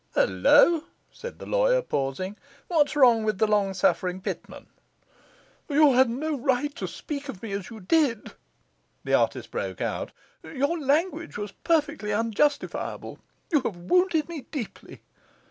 'Hullo!' said the lawyer, pausing, 'what's wrong with the long suffering Pitman?' 'You had no right to speak of me as you did,' the artist broke out; 'your language was perfectly unjustifiable; you have wounded me deeply.